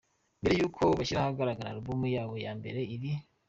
Mbere yuko bashyira ahagaragara album yabo ya mbere, iri.